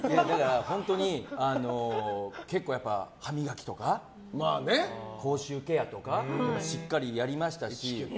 本当に結構歯磨きとか口臭ケアとかしっかりやりましたし。